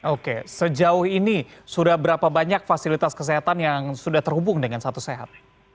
oke sejauh ini sudah berapa banyak fasilitas kesehatan yang sudah terhubung dengan satu sehat